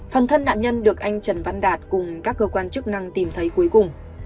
phần thân nạn nhân được anh trần văn đạt cùng các cơ quan chức năng tìm thấy cuối cùng